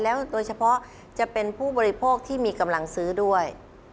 โดยเฉพาะจะเป็นผู้บริโภคที่มีกำลังซื้อด้วย